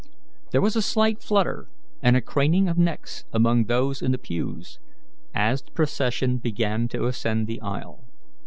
There was a slight flutter and a craning of necks among those in the pews, as the procession began to ascend the aisle.